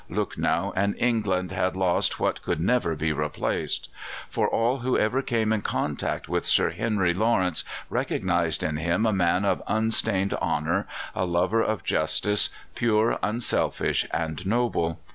Lucknow and England had lost what could never be replaced. For all who ever came in contact with Sir Henry Lawrence recognized in him a man of unstained honour, a lover of justice, pure, unselfish and noble.